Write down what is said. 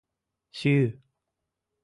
Сью!